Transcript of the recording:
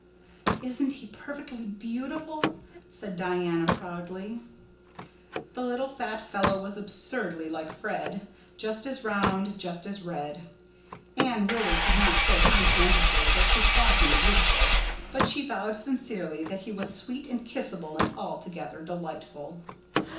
"Isn't he perfectly beautiful?" said Diana proudly. The little fat fellow was absurdly like Fred—just as round, just as red. Anne really could not say conscientiously that she thought him beautiful, but she vowed sincerely that he was sweet and kissable and altogether delightful.